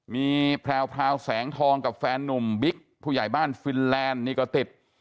มีแพรวแสงทองกับแฟนนุ่มบิ๊กผู้ใหญ่บ้านฟินแลนด์นี่ก็ติด